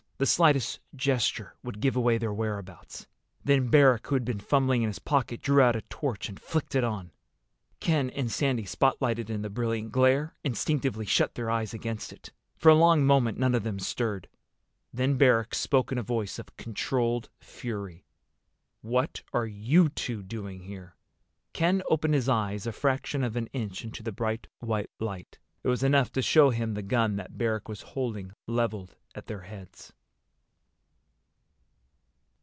The slightest gesture would give away their whereabouts. Then Barrack, who had been fumbling in his pocket, drew out a torch and flicked it on. Ken and Sandy, spotlighted in the brilliant glare, instinctively shut their eyes against it. For a long moment none of them stirred. Then Barrack spoke in a voice of controlled fury. "What are you two doing here?" Ken opened his eyes a fraction of an inch into the bright white light. It was enough to show him the gun that Barrack was holding leveled at their heads.